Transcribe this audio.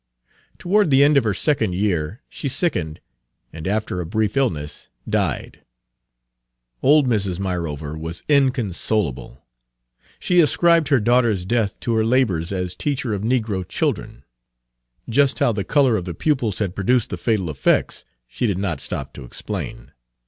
Toward the end of her second year she sickened, and after a brief illness died. Old Mrs. Myrover was inconsolable. She Page 281 ascribed her daughter's death to her labors as teacher of negro children. Just how the color of the pupils had produced the fatal effects she did not stop to explain.